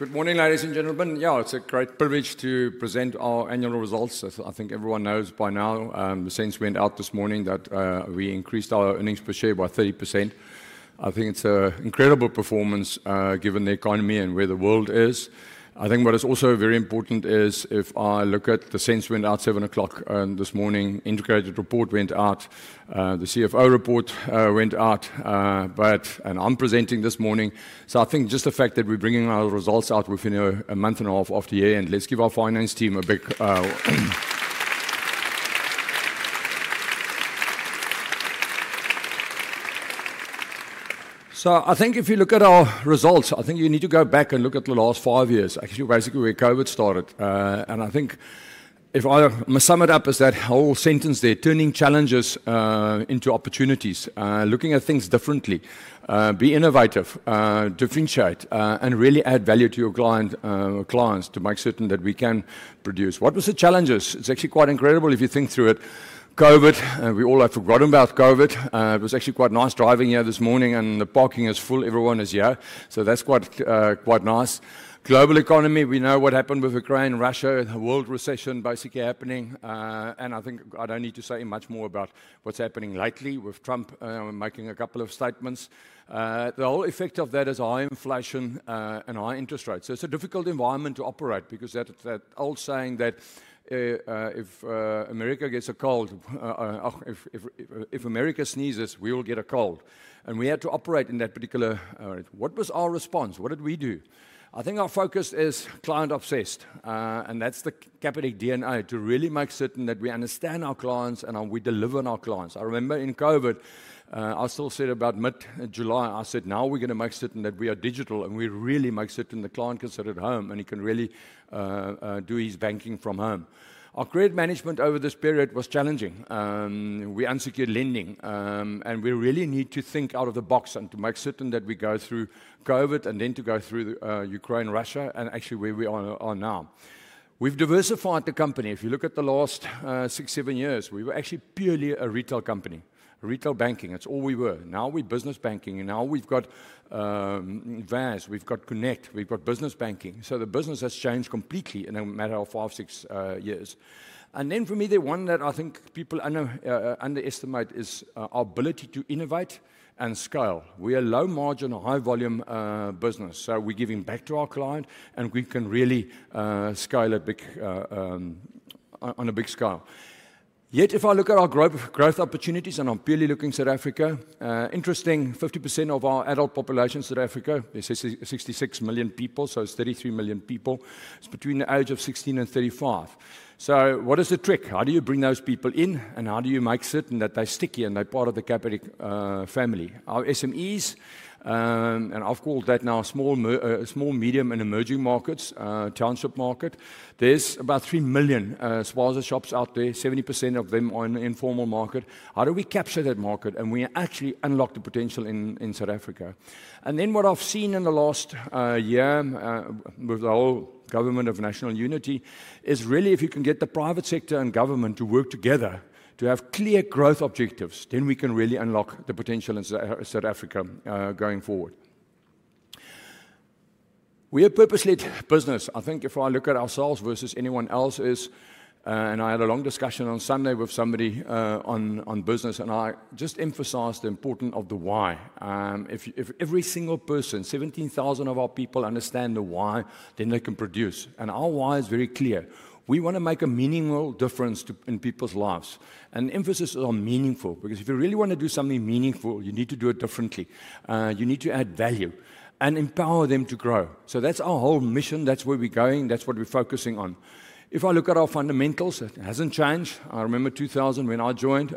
Good morning, ladies and gentlemen. Yeah, it's a great privilege to present our annual results. I think everyone knows by now the SENS went out this morning that we increased our earnings per share by 30%. I think it's an incredible performance given the economy and where the world is. I think what is also very important is if I look at the SENS went out 7:00 A.M. this morning, integrated report went out, the CFO report went out, and I'm presenting this morning, so I think just the fact that we're bringing our results out within a month and a half after year end, let's give our finance team a big - I think if you look at our results, I think you need to go back and look at the last five years actually basically where COVID started and I think if I sum it up as that whole sentence there turning challenges into opportunities, looking at things differently. Be innovative, differentiate and really add value to your clients to make certain that we can produce what was the challenges. It's actually quite incredible if you think through it. COVID, we all have forgotten about COVID. It was actually quite nice driving here this morning and the parking is full. Everyone is here. That's quite, quite nice. Global economy, we know what happened with Ukraine, Russia, world recession basically happening. I think I don't need to say much more about what's happening lately with Trump making a couple of statements. The whole effect of that is high inflation and high interest rates. It is a difficult environment to operate because of that. That old saying that if America gets a cold, if America sneezes, we will get a cold. We had to operate in that particular environment. What was our response? What did we do? I think our focus is client obsessed and that is the Capitec DNA to really make certain that we understand our clients and we deliver on our clients. I remember in COVID I still said about mid-July, I said now we are going to make certain that we are digital and we really make certain the client can sit at home and he can really do his banking from home. Our credit management over this period was challenging. We unsecured lending and we really need to think out of the box and to make certain that we go through COVID and then to go through Ukraine, Russia, and actually where we are now, we've diversified the company. If you look at the last six, seven years, we were actually purely a retail company. Retail banking, that's all we were. Now we business banking and now we've got VAS, we've got Connect, we've got business banking. The business has changed completely in a matter of five, six years. For me the one that I think people underestimate is our ability to innovate and scale. We are low margin, high volume business so we're giving back to our client and we can really scale on a big scale. Yet if I look at our growth opportunities and I'm purely looking South Africa, interesting, 50% of our adult population, South Africa, 66 million people. So it's 33 million people. It's between the age of 16 and 35. So what is the trick? How do you bring those people in and how do you make certain that they sticky and they're part of the Capitec family, our SMEs, and I've called that now small, medium and emerging markets, township market. There's about 3 million spaza shops out there. 70% of them are in the informal market. How do we capture that market? And we actually unlock the potential in South Africa. What I've seen in the last year with the whole Government of National Unity is really if you can get the private sector and government to work together to have clear growth objectives, we can really unlock the potential in South Africa going forward. We are purposely business. I think if I look at ourselves versus anyone else is I had a long discussion on Sunday with somebody on business and I just emphasized the importance of the why. If every single person, 17,000 of our people, understand the why, they can produce. Our why is very clear. We want to make a meaningful difference in people's lives. Emphasis on meaningful because if you really want to do something meaningful, you need to do it differently. You need to add value and empower them to grow. That's our whole mission, that's where we're going, that's what we're focusing on. If I look at our fundamentals, it hasn't changed. I remember 2000 when I joined,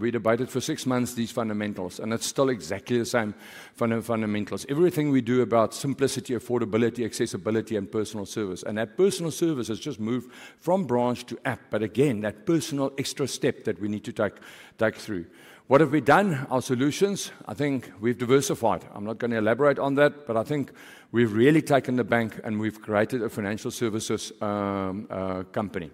we debated for six months these fundamentals. It's still exactly the same fundamental fundamentals. Everything we do is about simplicity, affordability, accessibility, and personal service. That personal service has just moved from branch to app. Again, that personal extra step that we need to take through what have we done, our solutions? I think we've diversified, I'm not going to elaborate on that, but I think we've really taken the bank and we've created a financial services company.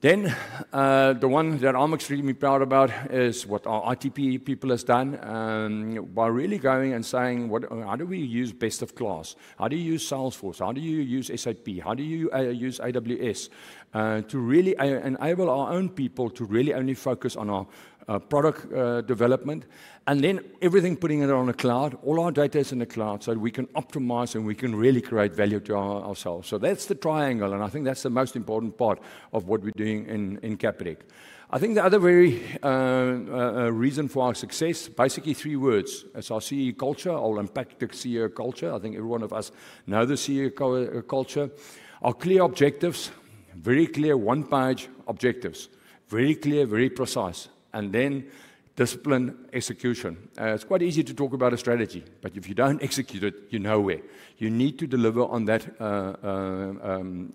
The one that I'm extremely proud about is what our IT people have done by really going and saying how do we use best of class. How do you use Salesforce? How do you use SAP? How do you use AWS? To really enable our own people to really only focus on our product development and then everything putting it on the cloud. All our data is in the cloud so we can optimize and we can really create value to ourselves. That is the triangle. I think that is the most important part of what we are doing in Capitec. I think the other very reason for our success, basically three words: CEO culture. I will impact the CEO culture. I think every one of us know the CEO culture are clear objectives, very clear one-page objectives, very clear, very precise. Then discipline execution. It is quite easy to talk about a strategy, but if you do not execute it, you know where you need to deliver on that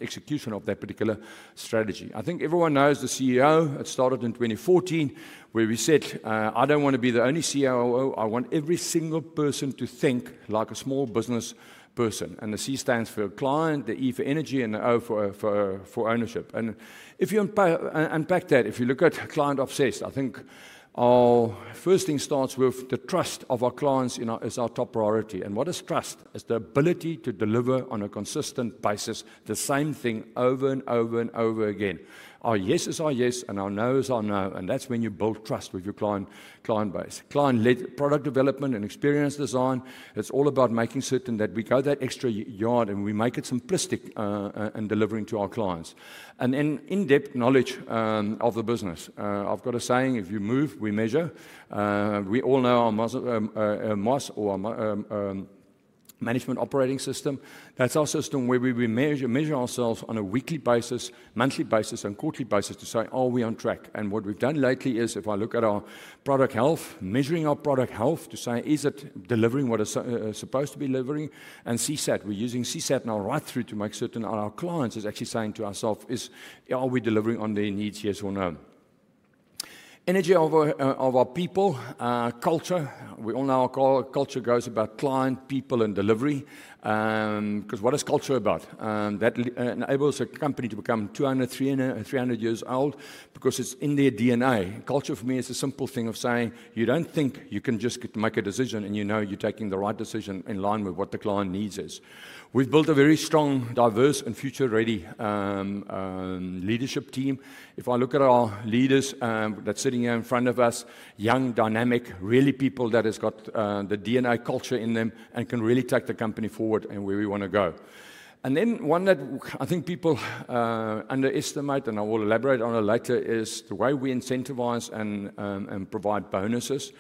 execution of that particular strategy. I think everyone knows the CEO. It started in 2014 where we said I do not want to be the only CEO. I want every single person to think like a small business person. The C stands for client, the E for energy, and the O for ownership. If you unpack that, if you look at client obsessed, I think our first thing starts with the trust of our clients is our top priority. What is trust is the ability to deliver on a consistent basis. The same thing over and over and over again. Our yes is our yes and our no is our no. That is when you build trust with your client and client base, client led product development and experience design. It's all about making certain that we go that extra yard and we make it simplistic and delivering to our clients and in depth knowledge of the business. I've got a saying if you move we measure. We all know our MOS or management operating system. That's our system where we measure, measure ourselves on a weekly basis, monthly basis and quarterly basis to say are we on track? What we've done lately is if I look at our product health, measuring our product health to say is it delivering what it's supposed to be delivering? And CSAT. We're using CSAT now right through to make certain our clients is actually saying to ourselves are we delivering on their needs? Yes or no energy of our people culture. We all know our culture goes about client, people and delivery because what is culture about that enables a company to become 200, 300 years old because it's in their DNA. Culture for me is a simple thing of saying you don't think you can just make a decision and you know you're taking the right decision in line with what the client needs is we've built a very strong, diverse and future ready leadership team. If I look at our leaders that's sitting here in front of us, young, dynamic, really people that has got the DNA culture in them and can really take the company forward and where we want to go. One that I think people underestimate and I will elaborate on it later is the way we incentivize and provide bonuses.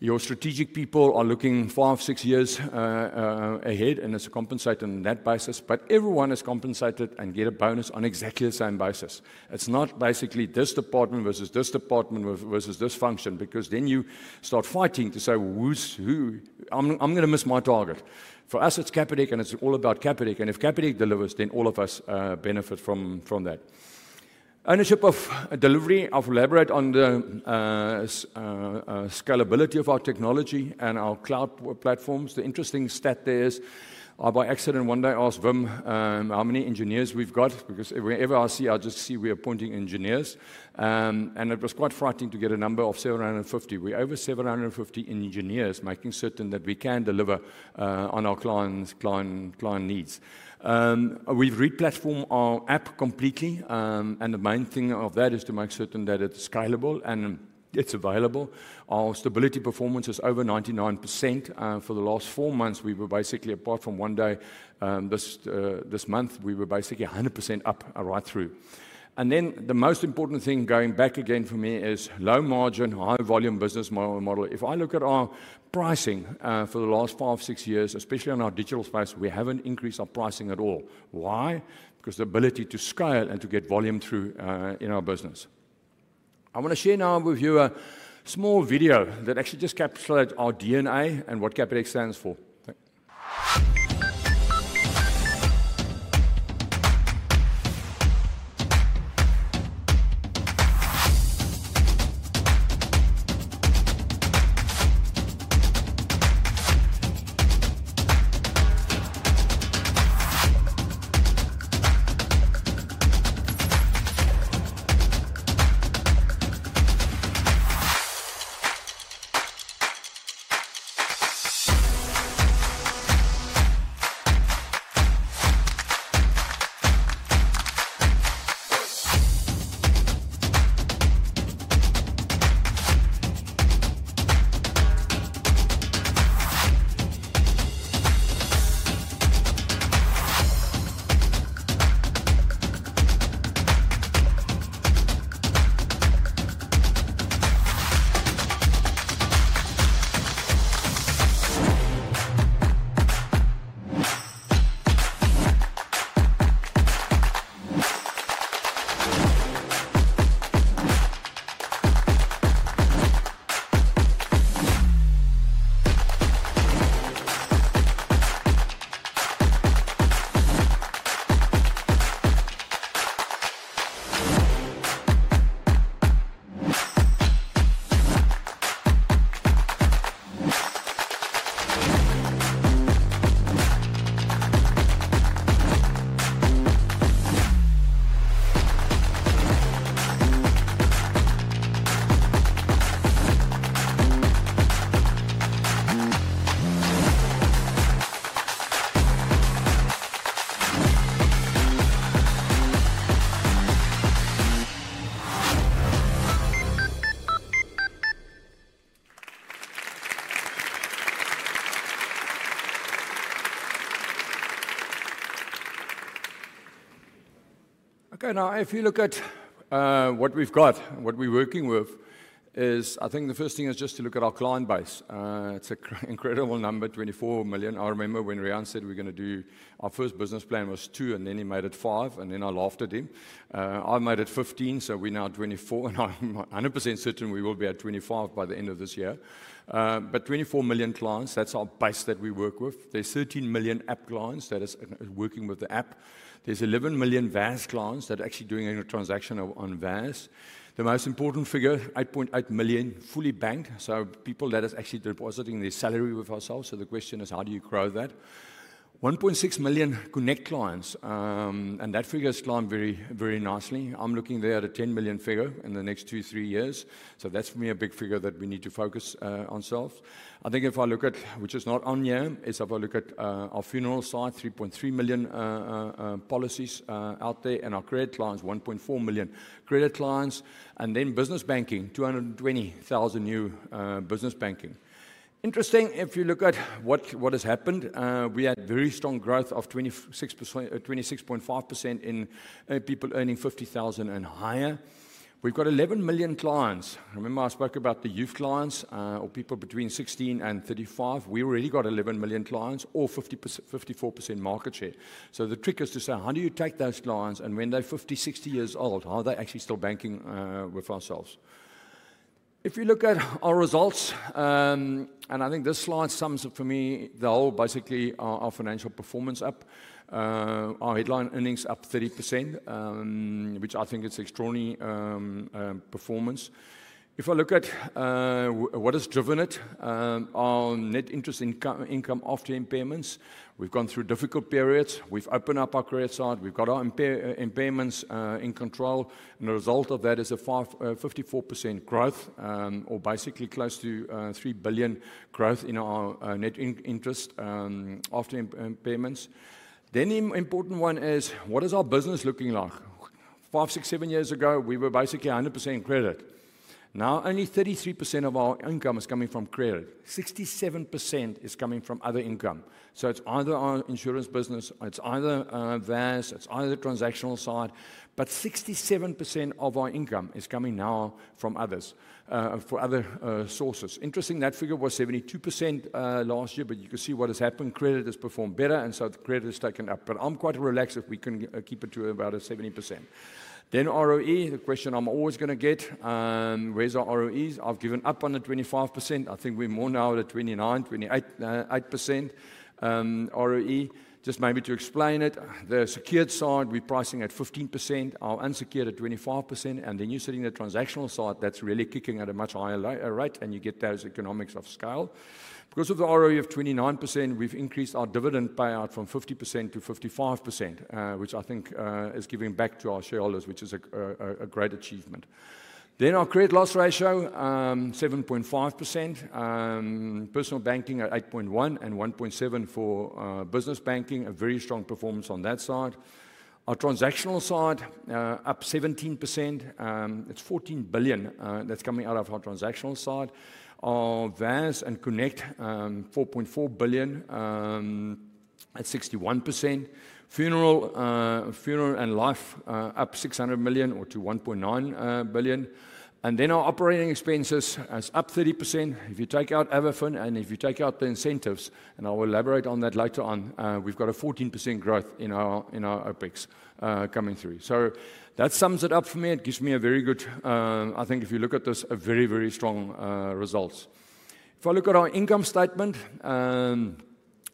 Your strategic people are looking five, six years ahead and it's compensated on that basis. Everyone is compensated and get a bonus on exactly the same basis. It's not basically this department versus this department versus dysfunction because you start fighting to say, I'm going to miss my target. For us it's Capitec and it's all about Capitec and if Capitec delivers then all of us benefit from that ownership of delivery. Elaborate on the scalability of our technology and our cloud platforms. The interesting stat there is by accident, one day, asked Wim how many engineers we've got because wherever I see I just see we're appointing engineers and it was quite frightening to get a number of 750. We're over 750 engineers making certain that we can deliver on our clients' needs. We've replatformed our app completely and the main thing of that is to make certain that it's scalable and it's available. Our stability performance is over 99% for the last four months. We were basically, apart from one day this month, we were basically 100% up right through. The most important thing going back again for me is low margin, high volume business model. If I look at our pricing for the last five, six years, especially in our digital space, we haven't increased our pricing at all. Why? Because the ability to scale and to get volume through in our business. I want to share now with you a small video that actually just captured our DNA and what Capitec stands for. Now if you look at what we've got, what we're working with is I think the first thing is just to look at our client base. It's an incredible number. 24 million. I remember when Riaan said we're going to do 20, our first business plan was 2 and then he made it 5 and then I laughed at him, I made it 15. We are now 24 and I'm 100% certain we will be at 25 by the end of this year. 24 million clients. That's our base that we work with. There are 13 million app clients that are working with the app. There are 11 million VA S clients that are actually doing a transaction on VA S. The most important figure, 8.8 million fully banked. People that are actually depositing their salary with ourselves. The question is, how do you grow that 1.6 million Connect clients and that figure has climbed very, very nicely. I'm looking there at a 10 million figure in the next two, three years. That's for me a big figure that we need to focus on self. I think if I look at, which is not on here, if I look at our funeral site, 3.3 million policies out there and our credit lines, 1.4 million credit lines and then business banking, 220,000 new business banking. Interesting. If you look at what has happened, we had very strong growth of 26%, 26.5% in people earning 50,000 and higher. We've got 11 million clients. Remember I spoke about the youth clients or people between 16 and 35. We already got 11 million clients or 54% market share. The trick is to say how do you take those clients and when they're 50, 60 years old, are they actually still banking with ourselves? If you look at our results, and I think this slide sums up for me the whole basically our financial performance up, our headline earnings up 30%, which I think is extraordinary performance if I look at what has driven it, our net interest income after impairments. We've gone through difficult periods, we've opened up our credit side, we've got our impairments in control and the result of that is a 54% growth or basically close to 3 billion growth in our net interest after impairments. The important one is what is our business looking like? Five, six, seven years ago we were basically 100% credit. Now only 33% of our income is coming from credit, 67% is coming from other income. It's either our insurance business, it's either VA S, it's either the transactional side. 67% of our income is coming now from other sources. Interesting. That figure was 72% last year. You can see what has happened. Credit has performed better and so the credit has taken up. I'm quite relaxed. If we can keep it to about a 70% then ROE. The question I'm always going to get is where's our ROEs? I've given up on the 25%. I think we're more now at 29, 28.8% ROE. Just maybe to explain it, the secured side, we're pricing at 15%, our unsecured at 25%. You're sitting at transactional side that's really kicking at a much higher rate. You get those economics of scale. Because of the ROE of 29%, we've increased our dividend payout from 50% to 55%, which I think is giving back to our shareholders, which is a great achievement. Our credit loss ratio 7.5%. Personal banking at 8.1 and 1.7 for business banking, a very strong performance on that side. Our transactional side up 17%. It is 14 billion that's coming out of our transactional side. Our VA S and Connect 4.4 billion at 61%. Funeral, Funeral and Life up 600 million or to 1.9 billion. Our operating expenses is up 30%. If you take out AvaFin and if you take out the incentives, and I'll elaborate on that later on, we've got a 14% growth in our OPEX coming through. That sums it up for me. It gives me a very good. I think if you look at this, a very, very strong result. If I look at our income statement, and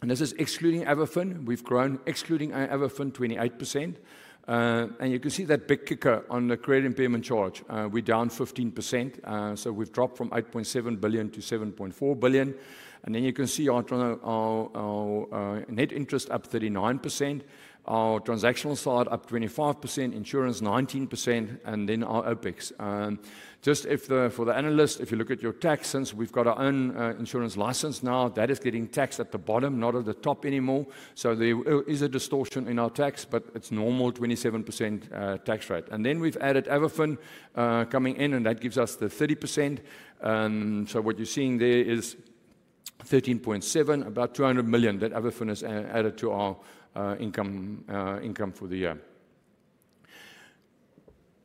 this is excluding AvaFin, we've grown, excluding AvaFin, 28%. You can see that big kicker on the credit impairment charge, we're down 15%. We have dropped from 8.7 billion to 7.4 billion. You can see our net interest up 39%. Our transactional side up 25%, insurance 19%. Our OpEx, just for the analyst, if you look at your tax, since we've got our own insurance license now, that is getting taxed at the bottom, not at the top anymore. There is a distortion in our tax, but it's normal 27% tax rate. We have added AvaFin coming in and that gives us the 30%. What you're seeing there is 13.7 billion, about 200 million that AvaFin has added to our income for the year.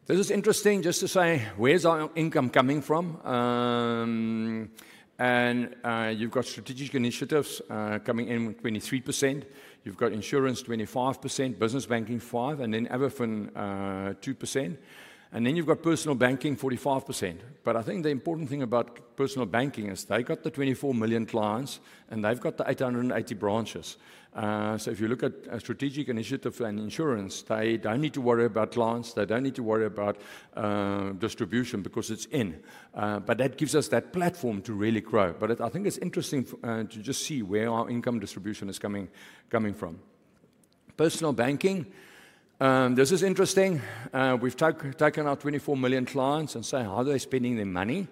This is interesting just to say where's our income coming from? You've got strategic initiatives coming in with 23%. You've got insurance 25%, business banking 5%, and then AvaFin 2%. You've got personal banking 45%. I think the important thing about personal banking is they got the 24 million clients and they've got the 880 branches. If you look at strategic initiative and insurance, they don't need to worry about clients, they don't need to worry about distribution because it's in. That gives us that platform to really grow. I think it's interesting to just see where our income distribution is coming from. Personal banking, this is interesting. We've taken our 24 million clients and say how they're spending their money.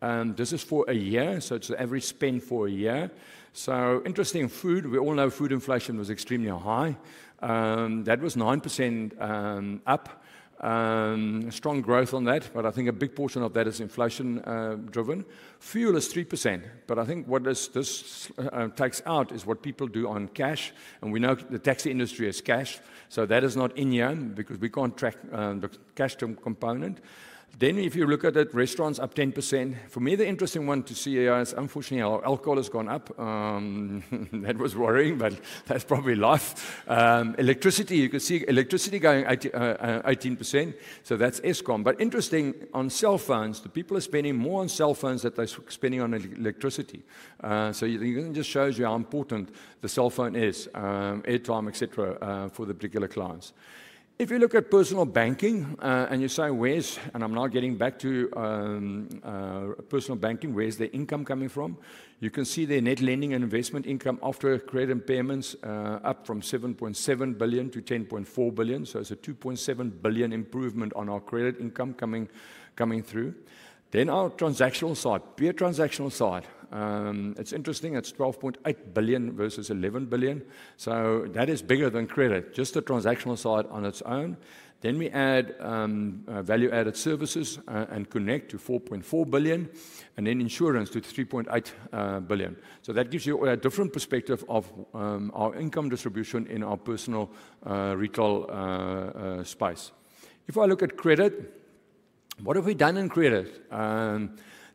This is for a year. It's the average spend for a year. Interesting. Food, we all know food inflation was extremely high. That was 9% up. Strong growth on that. I think a big portion of that is inflation driven. Fuel is 3%. I think what this takes out is what people do on cash. We know the taxi industry is cash. That is not in here because we can't track the cash component. If you look at it, restaurants up 10%. For me, the interesting one to see is unfortunately alcohol has gone up. That was worrying, but that's probably life. Electricity, you can see electricity going 18%. That is Eskom. Interesting on cell phones, the people are spending more on cell phones than they're spending on electricity. It just shows you how important the cell phone is, airtime, etc for the particular clients. If you look at personal banking and you say where's. Now getting back to personal banking, where's the income coming from? You can see there net lending and investment income after credit impairments up from 7.7 billion to 10.4 billion. It is a 2.7 billion improvement on our credit income coming through. Our transactional side, peer transactional side. It's interesting, it's 12.8 billion versus 11 billion. That is bigger than credit, just the transactional side on its own. We add value-added services and Connect to 4.4 billion and then insurance to 3.8 billion. That gives you a different perspective of our income distribution in our personal retail space. If I look at credit, what have we done in credit?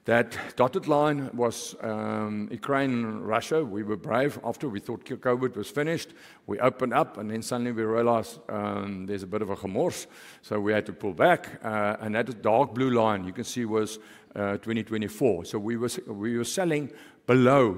That dotted line was Ukraine and Russia. We were brave. After we thought COVID was finished, we opened up and then suddenly we realized there's a bit of a commerce, so we had to pull back. That dark blue line you can see was 2024. We were selling below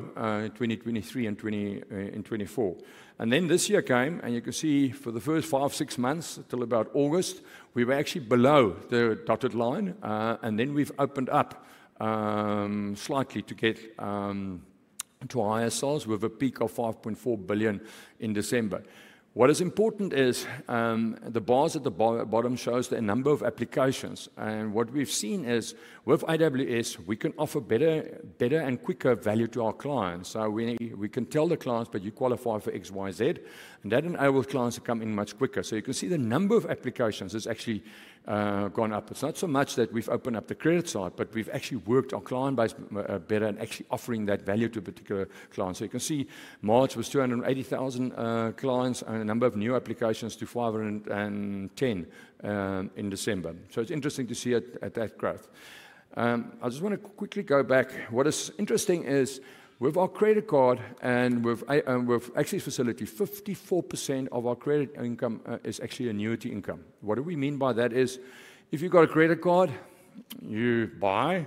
2023 and 2024. This year came and you can see for the first five, six months until about August, we were actually below the dotted line. We have opened up slightly to get to highs with a peak of 5.4 billion in December. What is important is the bars at the bottom show the number of applications and what we've seen is with AWS we can offer better, better and quicker value to our clients. We can tell the clients you qualify for XYZ and that enables clients to come in much quicker. You can see the number of applications has actually gone up. It's not so much that we've opened up the credit side but we've actually worked on client based business better and actually offering that value to a particular client. You can see March was 280,000 clients and a number of new applications to 510,000 in December. It's interesting to see it at that growth. I just want to quickly go back. What is interesting is with our credit card and with access facility, 54% of our credit income is actually annuity income. What we mean by that is if you've got a credit card, you buy,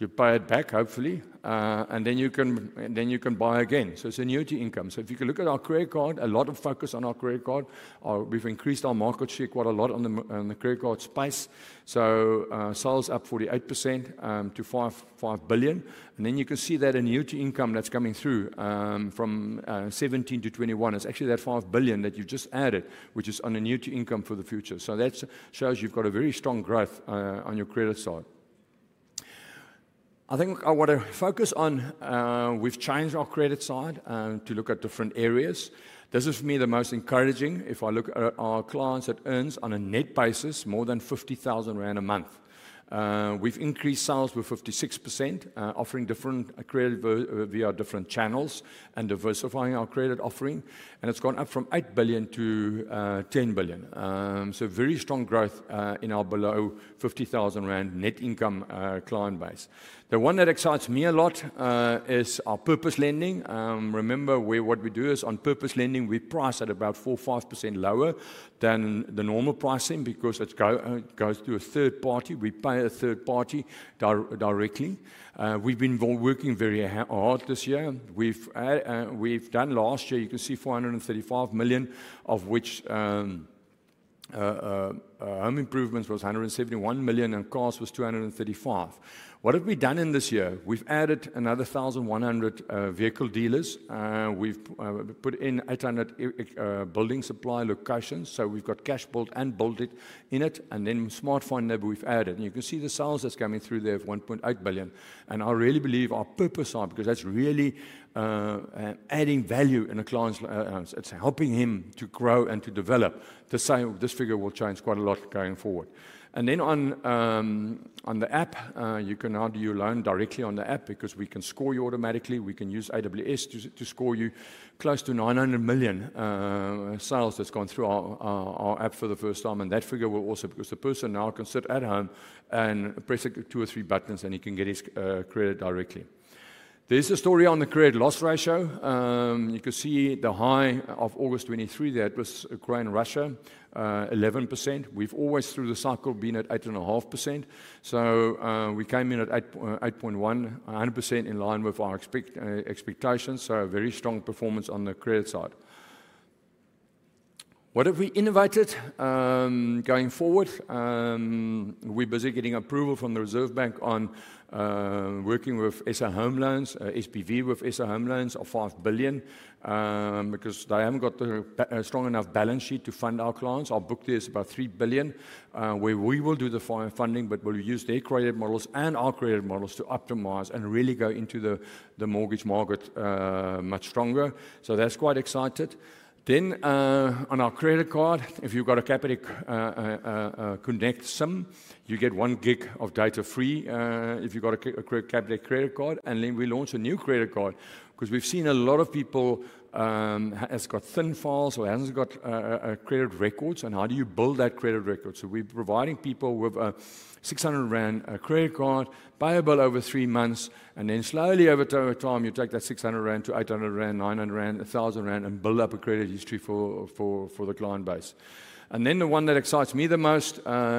you pay it back hopefully and then you can, then you can buy again. It's annuity income. If you can look at our credit card, a lot of focus on our credit card. We've increased our market share quite a lot on the credit card space. Sales are up 48% to 5 billion. You can see that annuity income that's coming through from 17 billion-21 billion. It's actually that 5 billion that you just added, which is on annuity income for the future. That shows you've got very strong growth on your credit side. I think I want to focus on, we've changed our credit side to look at different areas. This is for me the most encouraging if I look at our clients that earn on a net basis more than 50,000 rand a month. We've increased sales with 56%, offering different credit via different channels, diversifying our credit offering, and it's gone up from 8 billion to 10 billion. Very strong growth in our below 50,000 rand net income client base. The one that excites me a lot is our purpose lending. Remember what we do is on purpose lending. We price at about 4%-5% lower than the normal pricing because it goes to a third party. We pay a third party directly. We've been working very hard this year. We've done last year you can see 435 million of which home improvements was 171 million and cost was 235 million. What have we done in this year? We've added another 100 vehicle dealers. We've put in 800 building supply locations. We have Cashbuild and Build it in it and then smartphone that we've added. You can see the sales that's coming through there of 1.8 billion. I really believe our purpose because that's really adding value in a client's, it's helping him to grow and to develop the same. This figure will change quite a lot going forward. On the app you can now do your loan directly on the app because we can score you automatically. We can use AWS to score you. Close to 900 million sales have gone through our app for the first time. That figure will also change because the person now can sit at home and press two or three buttons and he can get his credit directly. There's a story on the credit loss ratio. You can see the high of August 23rd. That was Ukraine, Russia, 11%. We've always through the cycle been at 8.5%. We came in at 8.11% in line with our expectations. Very strong performance on the credit side. What have we innovated going forward? We're busy getting approval from the Reserve Bank on working with SA Home Loans, SPV with SA Home Loans of 5 billion because they haven't got the strong enough balance sheet to fund our clients. Our book there is about 3 billion where we will do the funding but we'll use their credit models and our credit models to optimize and really go into the mortgage market much stronger. That's quite exciting. On our credit card, if you've got a Capitec Connect SIM you get 1 GB of data free. If you've got a Capitec credit card and then we launch a new credit card because we've seen a lot of people have got thin files or haven't got credit records and how do you build that credit record? We're providing people with a 600 rand credit card payable over three months. Over time you take that 600 rand to 800 rand, 900 rand, 1,000 rand and build up a credit history for the client base. The one that excites me the most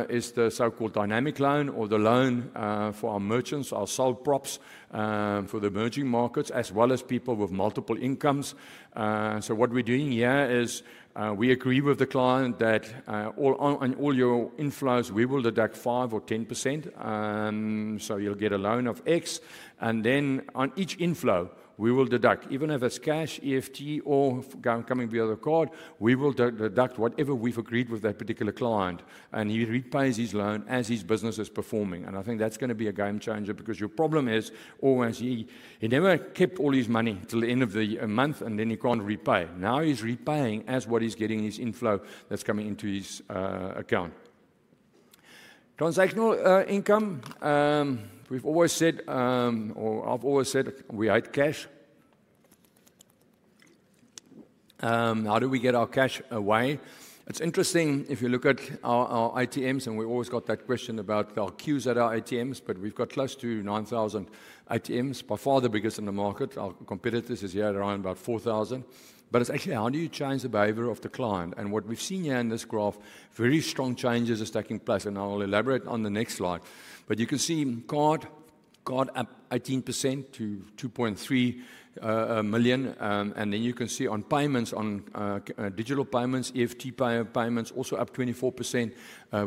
is the so-called dynamic loan or the loan for our merchants, our sole props for the emerging markets as well as people with multiple incomes. What we're doing here is we agree with the client that all your inflows we will deduct 5% or 10%, so you'll get a loan of X and then on each inflow we will deduct, even if it's cash, EFT, or coming via the card, we will deduct whatever we've agreed with that particular client and he repays his loan as his business is performing. I think that's going to be a game changer because your problem is always he never kept all his money till the end of the month and then he can't repay. Now he's repaying as what he's getting his inflow that's coming into his account. Transactional income. We've always said, or I've always said we hate cash. How do we get our cash away? It's interesting if you look at our ATMs and we always got that question about our queues at our ATMs, but we've got close to 9,000 ATMs, by far the biggest in the market. Our competitors are here around about 4,000. It's actually how do you change the behavior of the client? What we've seen here in this graph, very strong changes are taking place. I'll elaborate on the next slide, but you can see card got up 18% to 2.3 million. You can see on payments, on digital payments, EFT payments also up 24%.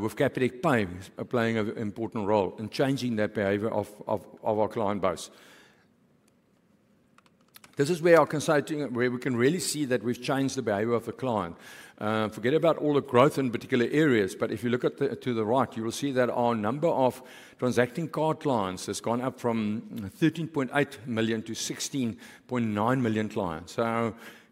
With Capitec Pay playing an important role in changing that behavior of our client base. This is where our consulting, where we can really see that we've changed the behavior of the client. Forget about all the growth in particular areas. If you look to the right, you will see that our number of transacting card clients has gone up from 13.8 million to 16.9 million clients.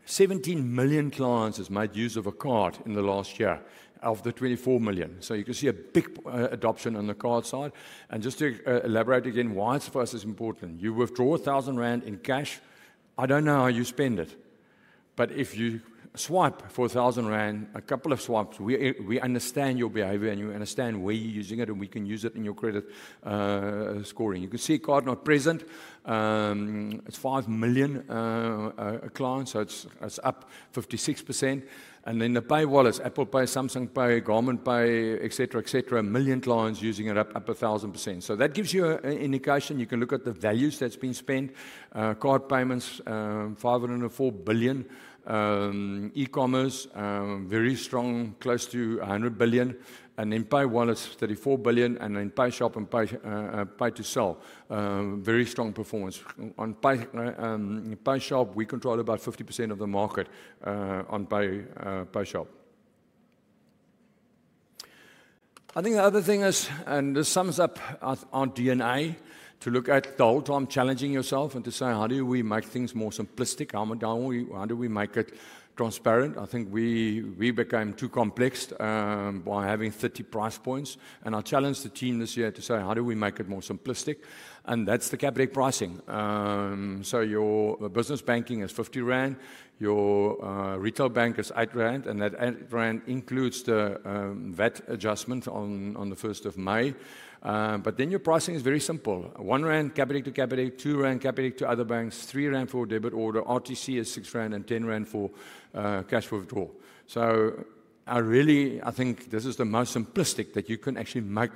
17 million clients have made use of a card in the last year of the 24 million. You can see a big adoption on the card side. Just to elaborate again why it's for us as important, you withdraw 1,000 rand in cash. I don't know how you spend it but if you swipe for 1,000 rand a couple of swipes, we understand your behavior and we understand where you're using it. We can use it in your credit scoring. You see, card not present, it's 5 million clients, so it's up 56%. The pay wallets, Apple Pay, Samsung Pay, Garmin Pay, etc., million clients using it, up a thousand. That gives you an indication you can look at the values that's been spent. Card payments, 504 billion. E-commerce very strong, close to 100 billion. Pay wallets, 34 billion. PayShap and Pay to Cell, very strong performance on PayShap. We control about 50% of the market on PayShap. I think the other thing is, and this sums up our DNA, to look at the whole time challenging yourself and to say how do we make things more simplistic? How do we make it transparent? I think we became too complex by having 30 price points, and I challenged the team this year to say how do we make it more simplistic? That is the Capitec pricing. Your business banking is 50 rand, your retail bank is 8 rand, and that 8 rand includes the VAT adjustment on the 1st of May, but then your pricing is very simple. 1 rand Capitec to Capitec, 2 rand Capitec to other banks, 3 rand for debit order, RTC is 6 rand, and 10 rand for cash withdrawal. I really, I think this is the most simplistic that you can actually make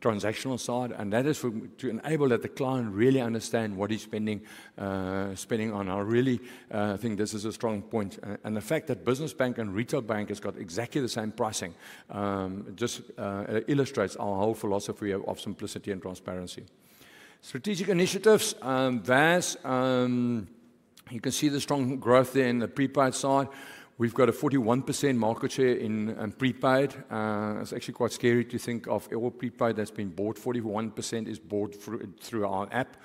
transactional side and that is for to enable that the client really understand what he's spending on. I really think this is a strong point and the fact that business bank and retail bank has got exactly the same pricing just illustrates our whole philosophy of simplicity and transparency. Strategic initiatives VA S, you can see the strong growth there in the prepaid side. We've got a 41% market share in prepaid. It's actually quite scary to think of all prepaid that's been bought, 41% is bought through our app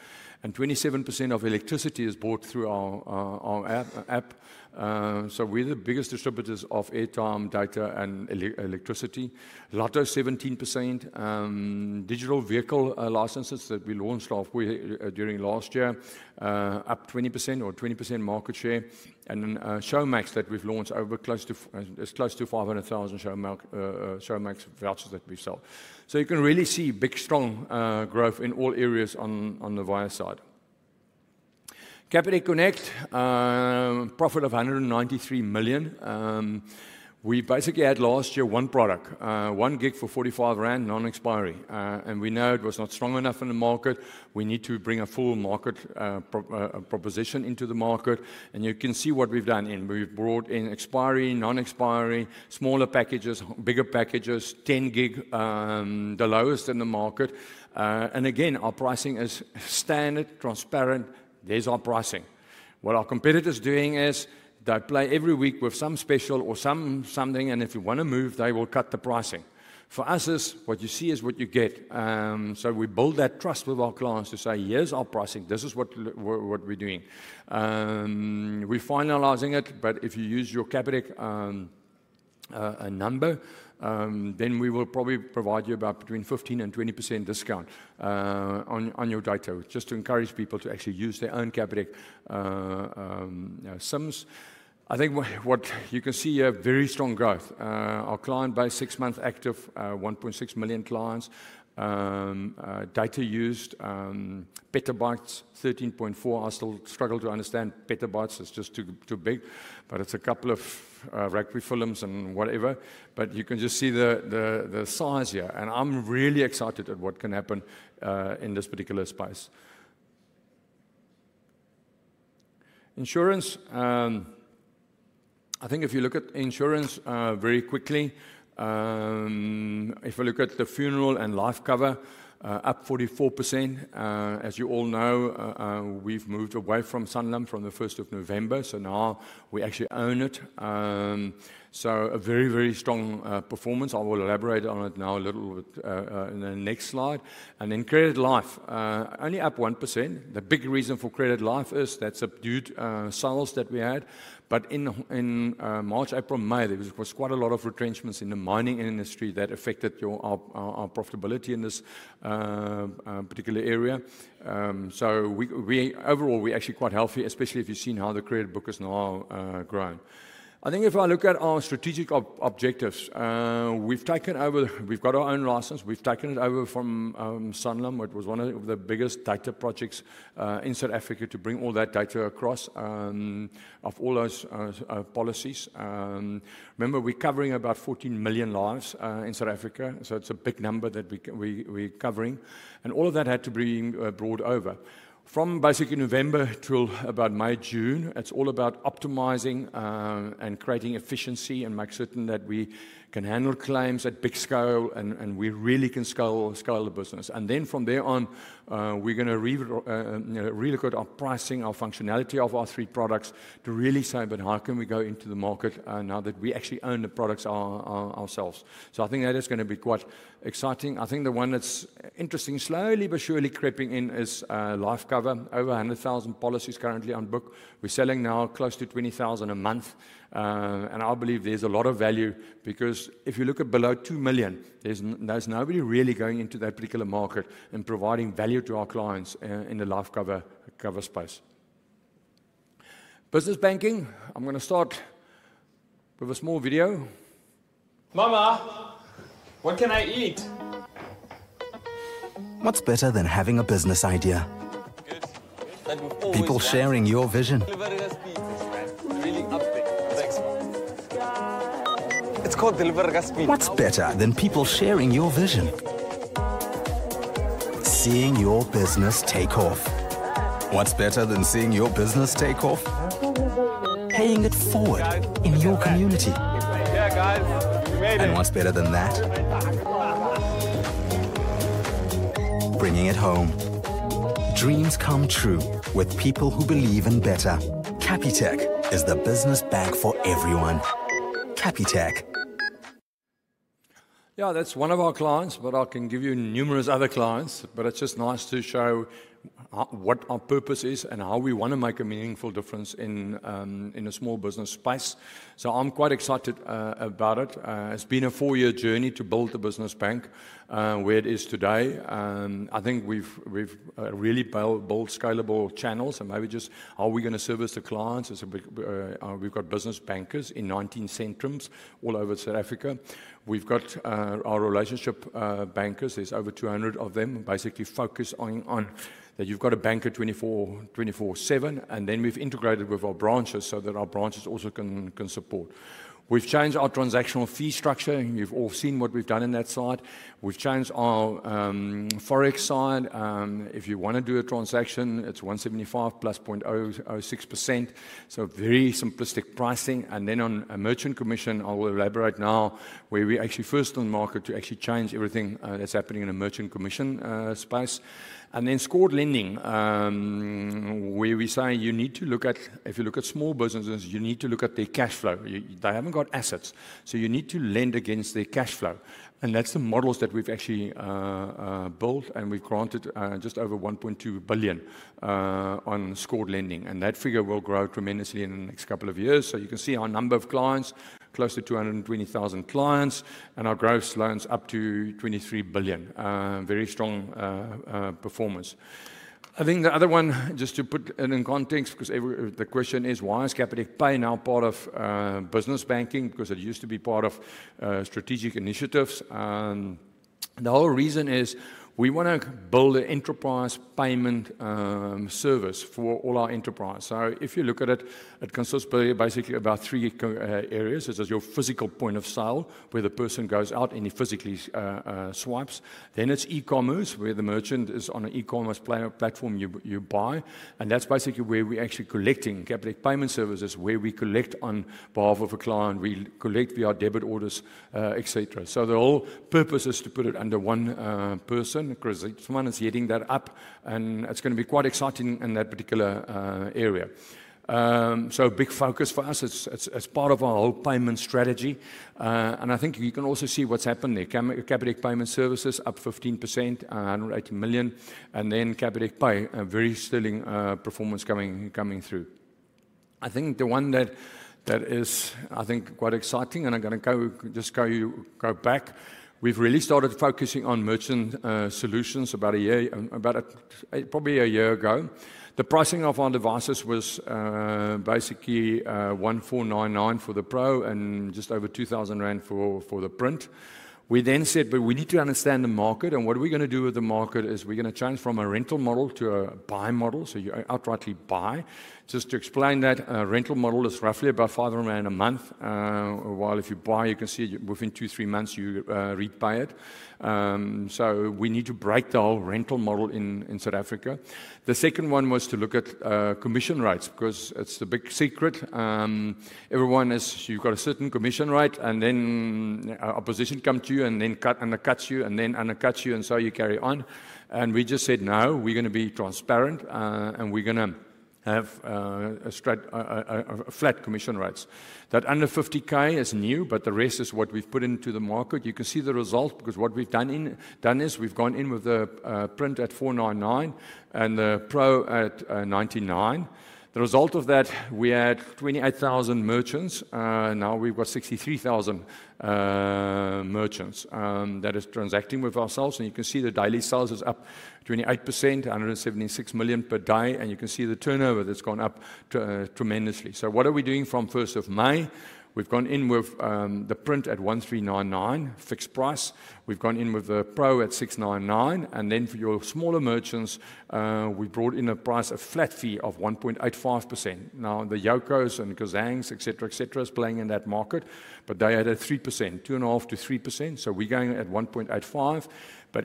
and 27% of electricity is bought through our app. We're the biggest distributors of airtime, data, and electricity, lotto, 17% digital vehicle licenses that we launched during last year, up 20% or 20% market share, and Showmax that we've launched, over close to close to 500,000 Showmax vouchers that we've sold. You can really see big, strong growth in all areas on the VA S side. Capitec Connect profit of 193 million, we basically had last year one product, one gig for 45 rand non-expiry, and we know it was not strong enough in the market. We need to bring a full market proposition into the market, and you can see what we've done in, we've brought in expiry, non-expiring, expiry, smaller packages, bigger packages, 10 gig, the lowest in the market, and again our pricing is standard, transparent. There's our pricing. What our competitors are doing is they play every week with some special or something, and if you want to move, they will cut the pricing. For us, what you see is what you get, so we build that trust with our clients to say here's our pricing. This is what we're doing, we're finalizing it. If you use your Capitec number, then we will probably provide you about between 15% and 20% discount on your data just to encourage people to actually use their own Capitec SIMs. I think what you can see is very strong growth. Our client base, six-month active, 1.6 million clients. Data used, petabytes, 13.4. I still struggle to understand petabytes. It's just too big. It's a couple of rugby fields and whatever. You can just see the size here and I'm really excited at what can happen in this particular space. Insurance, I think if you look at insurance very quickly, if I look at the funeral and life coverage, up 44%. As you all know, we've moved away from Sanlam from the 1st of November, so now we actually own it. A very, very strong performance. I will elaborate on it now a little in the next slide. Credit life only up 1%. The big reason for credit life is that subdued sales that we had. In March, April, May, there was quite a lot of retrenchments in the mining industry that affected your profitability in this particular area. Overall, we're actually quite healthy, especially if you've seen how the credit book is now growing. I think if I look at our strategic objectives, we've taken over. We've got our own license, we've taken it over from Sanlam. It was one of the biggest data projects in South Africa to bring all that data across of all those policies. Remember we're covering about 14 million lives in South Africa. It is a big number that we're covering. All of that had to be brought over from basically November till about May, June. It is all about optimizing and creating efficiency and making certain that we can handle claims at big scale and we really can scale the business. From there on we're going to really look at our pricing, our functionality of our three products to really say but how can we go into the market now that we actually own the products ourselves? I think that is going to be quite exciting. I think the one that's interesting, slowly but surely creeping in, is Life Cover. Over 100,000 policies currently on book. We're selling now close to 20,000 a month. I believe there's a lot of value because if you look at below 2 million, there's nobody really going into that particular market and providing value to our clients in the Life Cover space. Business banking, I'm going to start with a small video. Mama, what can I eat? What's better than having a business idea? People sharing your vision. It's called Delivery Ka Speed. What's better than people sharing your vision? Seeing your business take off. What's better than seeing your business take off? Paying it forward in your community. What's better than that? Bringing it home. Dreams come true with people who believe in better. Capitec is the business bank for everyone. Capitec. Yeah, that's one of our clients. I can give you numerous other clients. It's just nice to show what our purpose is and how we want to make a meaningful difference in a small business space. I'm quite excited about it. It's been a four year journey to build the business bank where it is today. I think we've really built scalable channels and maybe just how we're going to service the clients. We've got business bankers in 19 centrums all over South Africa. We've got our relationship with bankers. There's over 200 of them. Basically focus on that. You've got a banker 24/7. We've integrated with our branches so that our branches also can support. We've changed our transactional fee structure. You've all seen what we've done in that slide. We've changed our forex side. If you want to do a transaction, it's 175 + 0.06% so very simplistic pricing. On a merchant commission I will elaborate now where we actually are first on market to actually change everything that's happening in a merchant commission space. Scored lending where we say you need to look at. If you look at small businesses, you need to look at their cash flow. They haven't got assets so you need to lend against their cash flow. That's the models that we've actually built. We've granted just over 1.2 billion on scored lending and that figure will grow tremendously in the next couple of years. You can see our number of clients close to 220,000 clients and our gross loans up to 23 billion. Very strong performance. I think the other one, just to put it in context, because the question is why is Capitec Pay now part of business banking? It used to be part of strategic initiatives. The whole reason is we want to build an enterprise payment service for all our enterprise. If you look at it, it consists basically of about three areas. This is your physical point of sale where the person goes out and he physically swipes. Then it's e-commerce where the merchant is on an e-commerce platform, you buy, and that's basically where we actually are collecting Capitec payment services, where we collect on behalf of a client, we collect via debit orders, et cetera. The whole purpose is to put it under one person because someone is heading that up and it's going to be quite exciting in that particular area. Big focus for us as part of our whole payment strategy, and I think you can also see what's happened there. Capitec payment services up 15%, 180 million, and then Capitec Pay, a very sterling performance coming through. I think the one that is quite exciting, and I'm going to just go, you go back. We've really started focusing on merchant solutions about a year, about a year, probably a year ago. The pricing of our devices was basically 1,499 for the Pro and just over 2,000 rand for the Print. We then said but we need to understand the market and what are we going to do with the market is we're going to change from a rental model to a buy model. You outrightly buy. Just to explain, that rental model is roughly about 500 rand a month while if you buy you can see within two, three months you rebuy it. We need to break the whole rental model in South Africa. The second one was to look at commission rates because it's the big secret everyone is you've got a certain commission rate and then opposition come to you and then cut and cut you and then undercuts you and so you carry on and we just said no, we're going to be transparent and we're going to have flat commission rates that under 50,000 is new. The rest is what we've put into the market. You can see the results because what we've done is we've gone in with the print at 499 and the pro at 99. The result of that, we had 28,000 merchants. Now we've got 63,000 merchants that is transacting with ourselves and you can see the daily sales is up 28%, 176 million per day and you can see the turnover that's gone up tremendously. What are we doing from first of May? We've gone in with the Print at 1,399 fixed price, we've gone in with the Pro at 699, and then for your smaller merchants we brought in a price, a flat fee of 1.85%. Now the Yoco's and Kazang's, etc., etc., are playing in that market, but they are at 2.5%-3%, so we're going at 1.85%.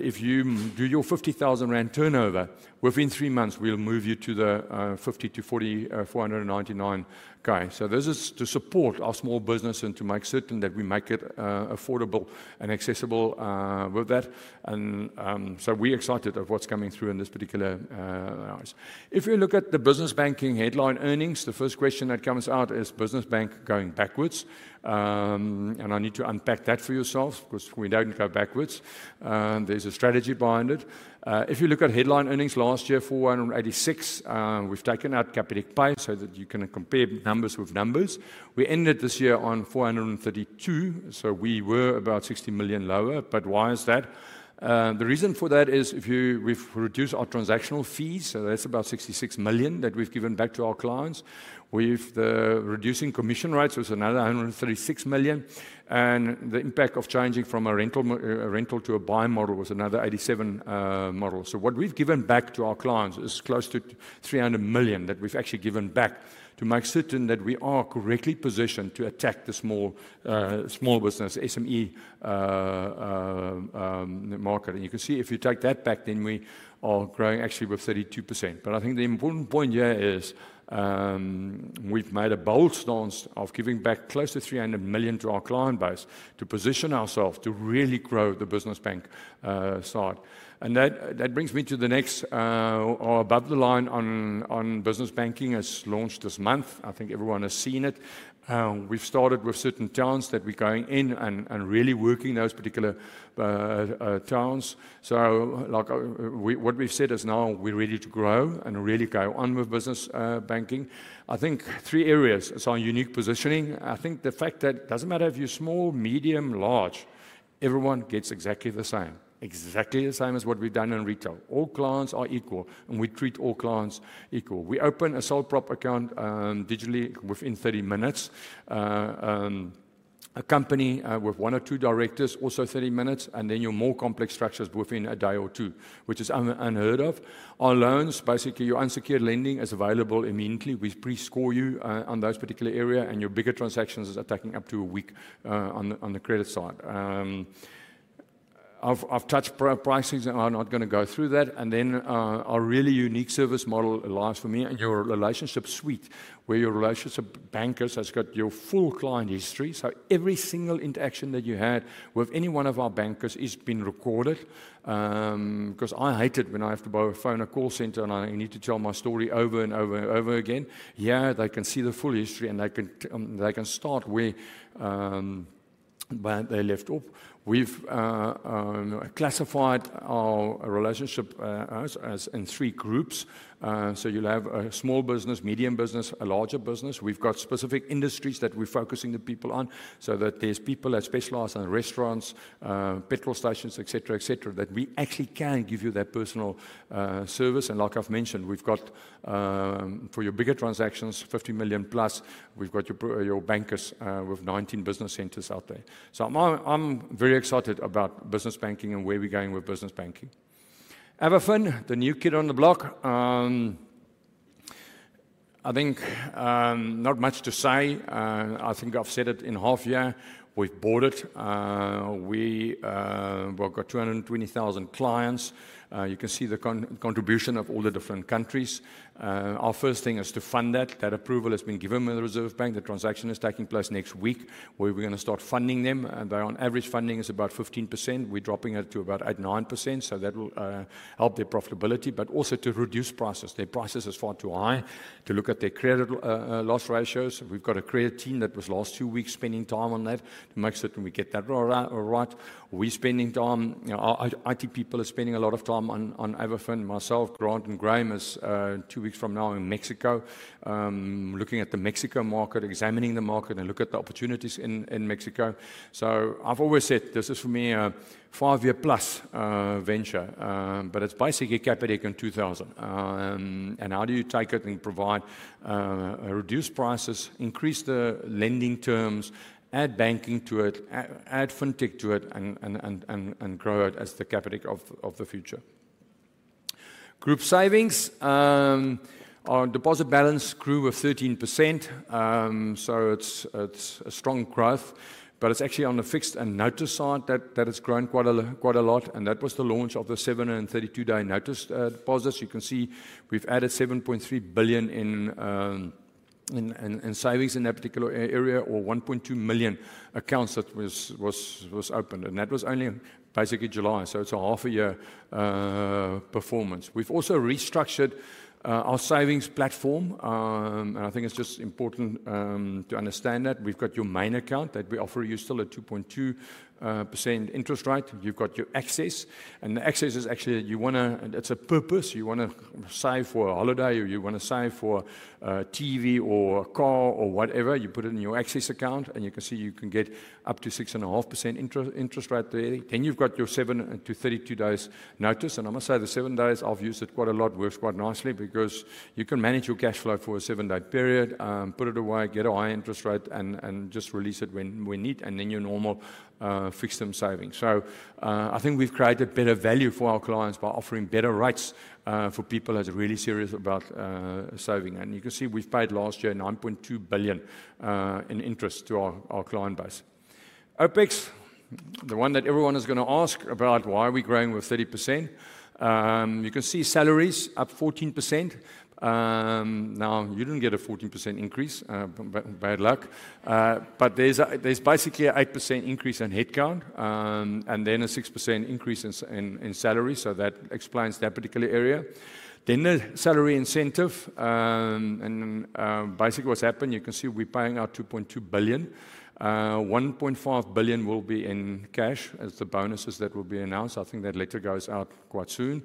If you do your 50,000 rand turnover within three months, we'll move you to the 50 to 40. 499, okay. This is to support our small business and to make certain that we make it affordable and accessible with that. We are excited about what's coming through in this particular. If you look at the business banking headline earnings, the first question that comes out is, is business bank going backwards? I need to unpack that for yourself because we do not go backwards. There is a strategy behind it. If you look at headline earnings last year 486 million, we have taken out Capitec Pay so that you can compare numbers with numbers. We ended this year on 432 million, so we were about 60 million lower. Why is that? The reason for that is we have reduced our transactional fees. That is about 66 million that we have given back to our clients. The reducing commission rates was another 136 million, and the impact of changing from a rental to a buy model was another 87 million. What we have given back to our clients is close to 300 million that we have actually given back to make certain that we are correctly positioned to attack the small business SME market. You can see if you take that back then we are growing actually with 32%. I think the important point here is we've made a bold stance of giving back close to 300 million to our client base to position ourselves to really grow the business bank start and that brings me to the next or above the line on business banking as launched this month. I think everyone has seen it. We've started with certain towns that we are going in and really working those particular towns. Like what we've said is now we're ready to grow and really go on with business banking. I think three areas. It's our unique positioning. I think the fact that it doesn't matter if you're small, medium, large, everyone gets exactly the same, exactly the same as what we've done in retail. All clients are equal and we treat all clients equal. We open a sole prop account digitally within 30 minutes. A company with one or two directors also 30 minutes, and your more complex structures within a day or two, which is unheard of. Our loans, basically your unsecured lending, is available immediately. We pre score you on those particular area, and your bigger transactions are taking up to a week. On the credit side, I have touched pricing and I am not going to go through that. Our really unique service model lies, for me, in your relationship suite where your relationship bankers have got your full client history. Every single interaction that you had with any one of our bankers has been recorded because I hate it when I have to borrow a phone, a call center and I need to tell my story over and over and over again. Here they can see the full history and they can start where they left off. We've classified our relationship as in three groups. You'll have a small business, medium business, a larger business. We've got specific industries that we're focusing the people on so that there's people that specialize in restaurants, petrol stations, et cetera, et cetera that we actually can give you that personal service. Like I've mentioned, we've got for your bigger transactions 50 million plus. We've got your bankers with 19 business centers out there. I'm very excited about business banking and where we're going with business banking. AvaFin, the new kid on the block, I think not much to say. I think I've said it in half year we've bought it. We got 220,000 clients. You can see the contribution of all the different countries. Our first thing is to fund that. That approval has been given by the Reserve Bank. The transaction is taking place next week where we're going to start funding them. They on average funding is about 15%. We're dropping it to about 8%-9% so that will help their profitability but also to reduce prices. Their prices is far too high to look at their credit loss ratios. We've got a credit team that was last two weeks spending time on that to make certain we get that right. We spending time, our IT people are spending a lot of time on AvaFin, myself, Grant, and Graham is two weeks from now in Mexico looking at the Mexico market, examining the market and look at the opportunities in Mexico. I have always said this is for me a five year plus venture but it is basically Capitec in 2000. How do you take it and provide, reduce prices, increase the lending terms, add banking to it, add fintech to it, and grow it as the capital of the future. Group savings, our deposit balance grew with 13% so it is a strong growth but it is actually on the fixed and notice side that it has grown quite a lot and that was the launch of the 732 day notice deposits. You can see we've added 7.3 billion in savings in that particular area or 1.2 million accounts that was opened and that was only basically July so it's a half a year performance. We've also restructured our savings platform and I think it's just important to understand that we've got your main account that we offer you still at 2.2% interest rate. You've got your access and the access is actually you want to, it's a purpose. You want to save for a holiday or you want to save for TV or car or whatever, you put it in your access account and you can see you can get up to 6.5% interest rate there. Then you've got your seven to 32 days notice and I must say the seven days, I've used it quite a lot, works quite nicely because you can manage your cash flow for a seven day period, put it away, get a high interest rate, and just release it when we need, and then your normal fixed term saving. I think we've created better value for our clients by offering better rates for people that are really serious about saving and you can see we've paid last year 9.2 billion in interest to our client base. OpEx, the one that everyone is going to ask about, why we're growing with 30%, you can see salaries up 14%. Now, you didn't get a 14% increase, bad luck, but there's basically 8% increase in headcount and then a 6% increase in salary, so that explains that particular area. Then the salary incentive and basically what's happened, you can see we're paying out 2.2 billion, 1.5 billion will be in cash as the bonuses that will be announced. I think that letter goes out quite soon.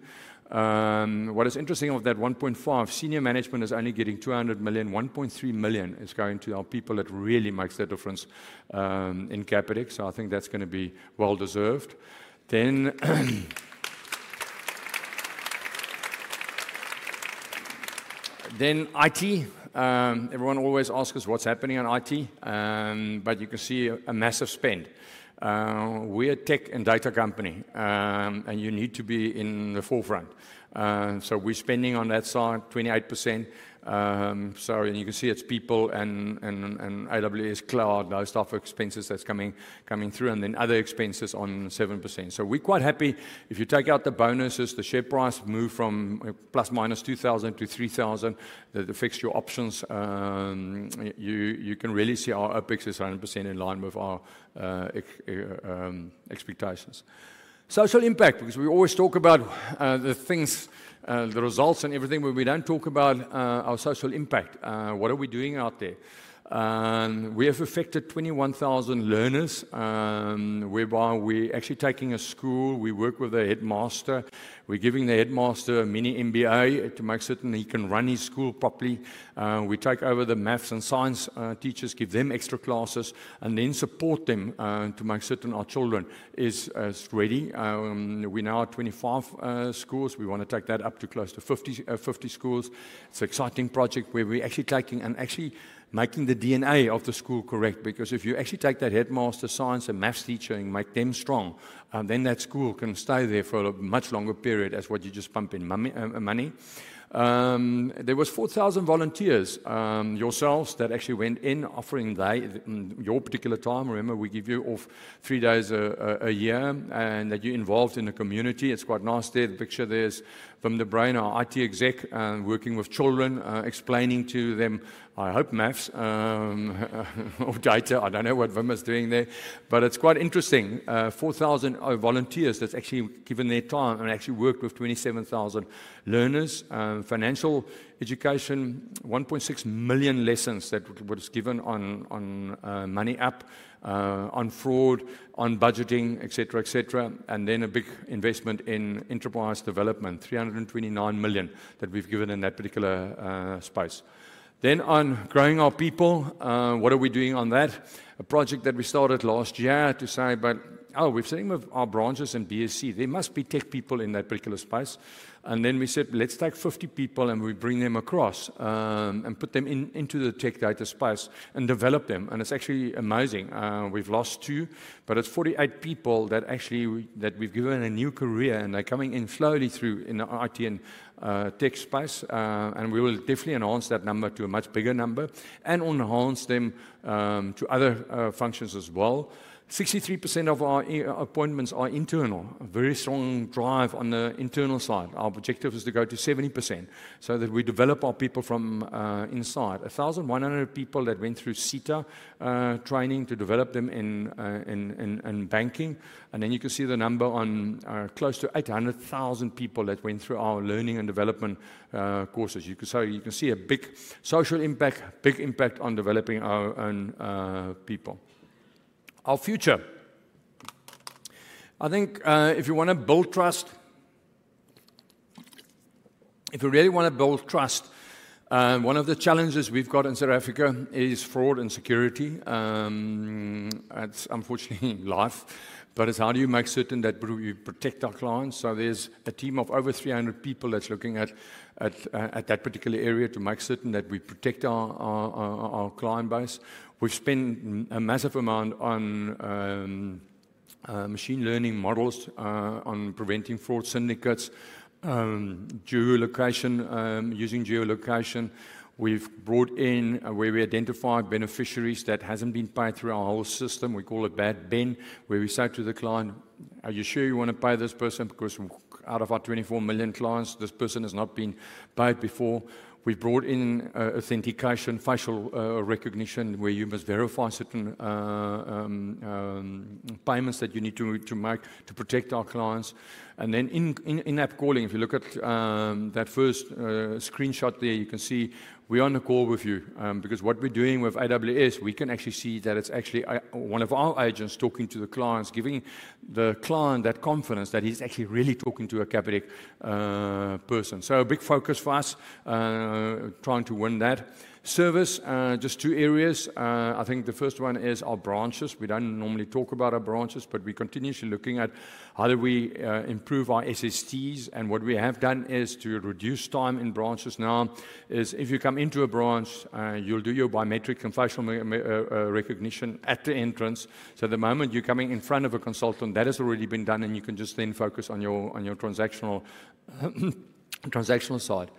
What is interesting, of that 1.5 billion, senior management is only getting 200 million. 1.3 million is going to our people. That really makes the difference in Capitec, so I think that's going to be well deserved. Everyone always asks us what's happening on IT, but you can see a massive spend. We're a tech and data company, and you need to be in the forefront, so we're spending on that side, 28%. You can see it's people and AWS cloud, those types of expenses that are coming through, and then other expenses on 7%. We're quite happy. If you take out the bonuses, the share price moved from plus minus 2,000 to 3,000. That affects your options. You can really see our OpEx is 100% in line with our expectations. Social impact, because we always talk about the things, the results and everything, but we don't talk about our social impact. What are we doing out there? We have affected 21,000 learners whereby we actually taking a school. We work with the headmaster. We're giving the headmaster a mini MBA to make certain he can run his school properly. We take over the maths and science teachers, give them extra classes and then support them to make certain our children is ready. We now have 25 schools. We want to take that up to close to 50 schools. It's an exciting project where we're actually taking and actually making the DNA of the school correct because if you actually take that headmaster, science and maths teacher and make them strong, then that school can stay there for a much longer period. As what you just pump in money. There was 4,000 volunteers yourselves that actually went in offering your particular time. Remember we give you off three days a year and that you're involved in a community. It's quite nice there. The picture there is from the brain, our IT exec working with children, explaining to them, I hope maths or data. I don't know what Wim is doing there but it's quite interesting. 4,000 volunteers that's actually given their time and actually worked with 27,000 learners. Financial education, 1.6 million lessons that was given on money, on fraud, on budgeting, etc, etc, and then a big investment in enterprise development. 329 million that we've given in that particular space. On growing our people, what are we doing on that? A project that we started last year to say but oh, we've seen our branches and BSC, there must be tech people in that particular space. We said let's take 50 people and we bring them across and put them into the tech data space and develop them. It's actually amazing. We've lost two but it's 48 people that we've given a new career and they're coming in slowly through in IT and tech space and we will definitely enhance that number to a much bigger number and enhance them to other functions as well. 63% of our appointments are internal. Very strong drive on the internal side. Our objective is to go to 70% so that we develop our people from inside. 1,100 people that went through SETA training to develop them in banking and then you can see the number on close to 800,000 people that went through our learning and development courses. You could say you can see a big social impact, big impact on developing our own people, our future. I think if you want to build trust, if you really want to build trust, one of the challenges we've got in South Africa is fraud and security. It's unfortunately life, but it's how do you make certain that you protect our clients? There is a team of over 300 people that's looking at that particular area to make certain that we protect our client base. We've spent a massive amount on machine learning models on preventing fraud. Syndicates using geolocation, we've brought in where we identify beneficiaries that haven't been paid through our whole system. We call it bad bin, where we say to the client, are you sure you want to pay this person? Because out of our 24 million clients, this person has not been paid before. We've brought in authentication, facial recognition, where you must verify certain payments that you need to make to protect our clients. In-app calling, if you look at that first screenshot there, you can see we are on the call with you because what we're doing with AWS, we can actually see that it's actually one of our agents talking to the clients, giving the client that confidence that he's actually really talking to a Capitec person. A big focus for us is trying to win that service. Just two areas, I think the first one is our branches. We don't normally talk about our branches, but we are continuously looking at how do we improve our SSTs. What we have done to reduce time in branches now is if you come into a branch, you'll do your biometric recognition at the entrance. The moment you're coming in front of a consultant, that has already been done. You can just then focus on your transactional side.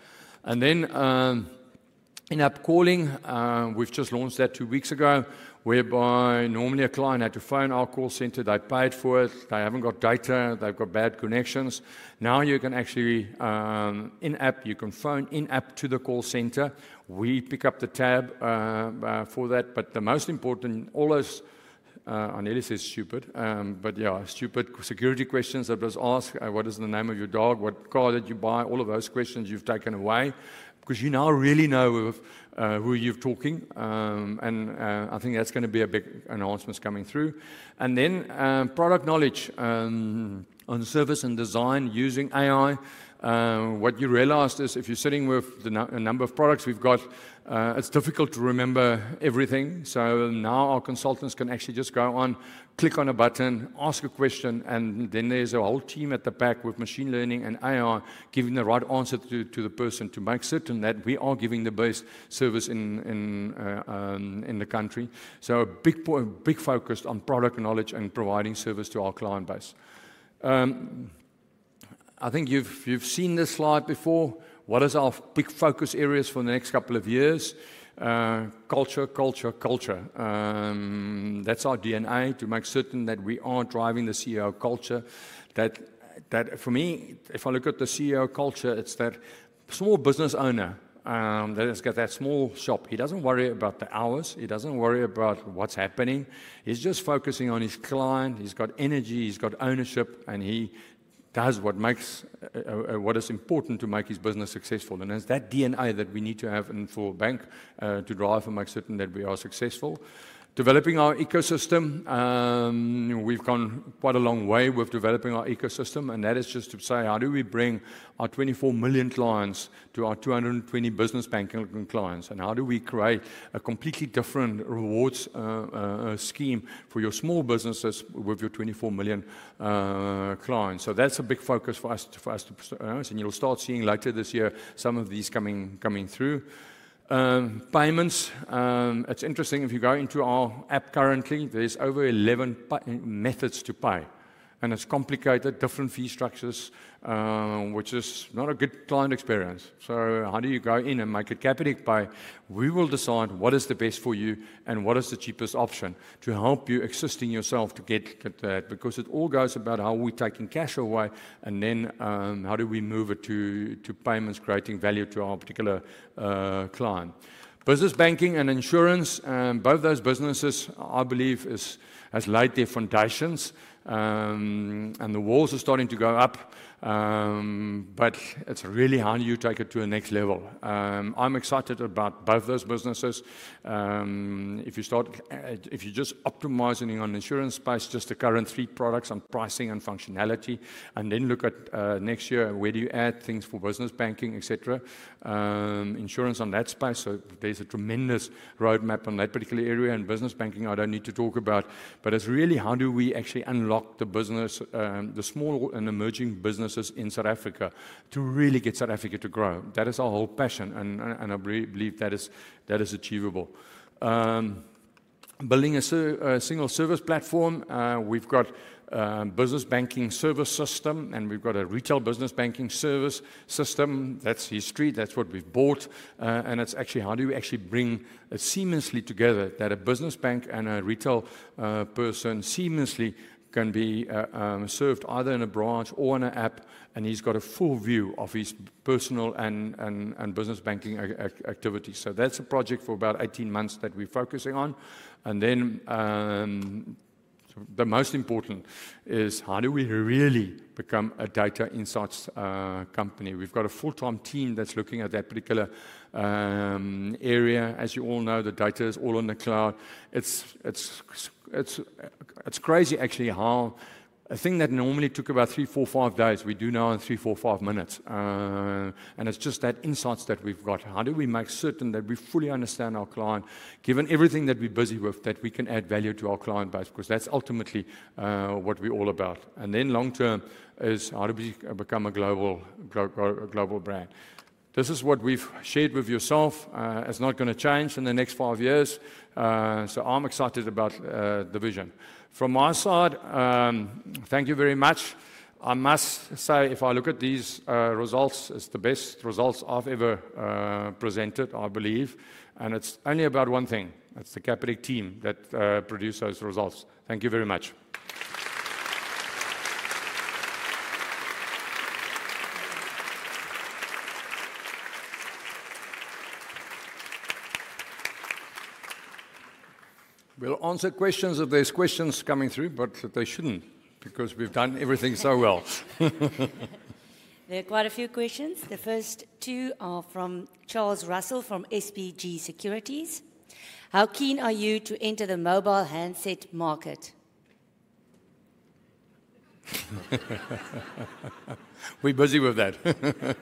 In-app calling, we've just launched that two weeks ago, whereby normally a client had to phone our call center. They paid for it, they haven't got data, they've got bad connections. Now you can actually in-app, you can phone in-app to the call center, we pick up the tab for that. The most important, all those, I nearly said stupid, but yeah stupid security questions that was asked, what is the name of your dog? What car did you buy? All of those questions you've taken away because you now really know who you're talking. I think that's going to be a big announcement coming through and then product knowledge on service and design using AI. What you realized is if you're sitting with the number of products we've got, it's difficult to remember everything. Now our consultants can actually just go on, click on a button, ask a question and then there's a whole team at the back with machine learning and AI giving the right answer to the person to make certain that we are giving the best service in the country. Big focus on product knowledge and providing service to our client base. I think you've seen this slide before. What is our big focus areas for the next couple of years? Culture, culture, culture. That's our DNA to make certain that we are driving the CEO culture. For me, if I look at the CEO culture, it's that small business owner that has got that small shop. He doesn't worry about the hours, he doesn't worry about what's happening. He's just focusing on his client. He's got energy, he's got ownership and he does what is important to make his business successful. It's that DNA that we need to have in full bank to drive and make certain that we are successful developing our ecosystem. We've gone quite a long way with developing our ecosystem and that is just to say how do we bring our 24 million clients to our 220 business banking clients and how do we create a completely different rewards scheme for your small businesses with your 24 million clients? That's a big focus for us, for us to. You'll start seeing later this year some of these coming through payments. It's interesting if you go into our app, currently there's over 11 methods to pay and it's complicated, different fee structures, which is not a good client experience. How do you go in and make it Capitec-like by deciding what is the best for you and what is the cheapest option to help you assist yourself to get that? It all goes about how we are taking cash away and then how we move it to payments, creating value to our particular client. Business banking and insurance, both those businesses I believe have laid their foundations and the walls are starting to go up. It's really how you take it to the next level. I'm excited about both those businesses. If you start if you're just optimizing on insurance space, just the current three products on pricing and functionality and then look at next year where do you add things for business, banking, etc. Insurance on that space. There is a tremendous roadmap on that particular area and business banking I don't need to talk about but it's really how do we actually unlock the business, the small and emerging businesses in South Africa to really get South Africa to grow. That is our whole passion and I believe that is achievable. Building a single service platform. We've got business banking service system and we've got a retail business banking service system. That's history, that's what we've bought and it's actually how do we actually bring seamlessly together that a business bank and a retail person seamlessly can be served either in a branch or in an app. He's got a full view of his personal and business banking activities. That is a project for about 18 months that we're focusing on. The most important is how do we really become a data insights company? We've got a full-time team that's looking at that particular area. As you all know, the data is all on the cloud. It's crazy actually how a thing that normally took about three, four, five days we do now in three, four, five minutes. It's just that insights that we've got, how do we make certain that we fully understand our client, given everything that we're busy with, that we can add value to our client base because that's ultimately what we're all about. Long term is how do we become a global brand? This is what we've shared with yourself. It's not going to change in the next five years. I'm excited about the vision from my side. Thank you very much. I must say if I look at these results, it's the best results I've ever presented, I believe. It's only about one thing, it's the Capitec team that produced those results. Thank you very much. We'll answer questions if there's questions coming through, but they shouldn't because we've done everything so well. There are quite a few questions. The first two are from Charles Russell from SBG Securities. How keen are you to enter the mobile handset market? We're busy with that.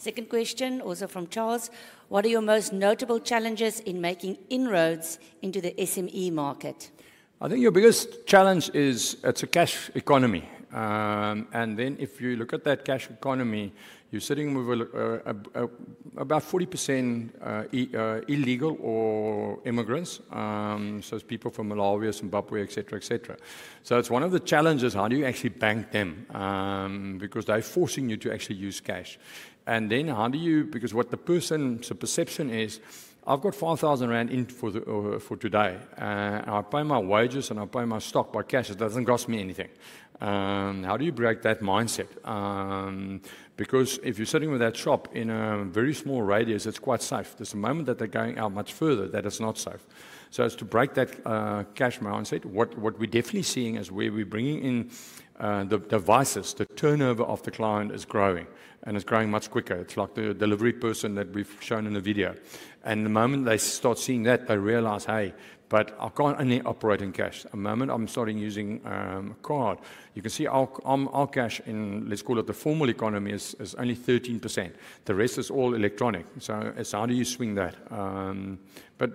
Second question, also from Charles. What are your most notable challenges in making inroads into the SME market? I think your biggest challenge is it's a cash economy. If you look at that cash economy, you're sitting with about 40% illegal or immigrants, so people from Malawi, Zimbabwe, etc., etc., so it's one of the challenges. How do you actually bank them? Because they're forcing you to actually use cash. How do you, because what the person perception is, I've got 5,000 rand in for today, I pay my wages and I pay my stock by cash. It doesn't cost me anything. How do you break that mindset? If you're sitting with that shop in a very small radius, it's quite safe. The moment that they're going out much further, that is not so, so as to break that cash mindset. What we're definitely seeing is where we're bringing in the devices. The turnover of the client is growing and it's growing much quicker. It's like the delivery person that we've shown in the video and the moment they start seeing that, they realize, hey, but I can't only operate in cash at the moment. I'm starting using card. You can see our cash in, let's call it the formal economy, is only 13%. The rest is all electronic. How do you swing that?